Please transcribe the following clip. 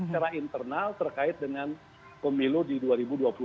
secara internal terkait dengan pemilu di dua ribu dua puluh empat yang akan datang